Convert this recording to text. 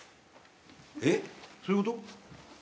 えっそういうこと？